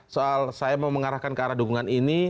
soal saya mau mengarahkan ke arah dukungan ini